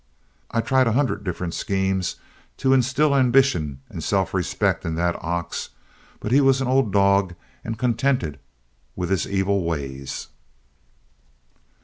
I tried a hundred different schemes to instill ambition and self respect into that ox, but he was an old dog and contented with his evil ways.